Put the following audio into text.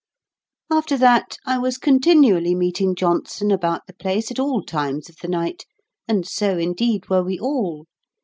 After that, I was continually meeting Johnson about the place at all times of the night, and so, indeed, were we all.